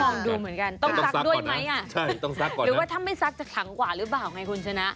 ลองดูเหมือนกันต้องซักด้วยไหมอ่ะใช่ต้องซักหรือว่าถ้าไม่ซักจะขังกว่าหรือเปล่าไงคุณชนะ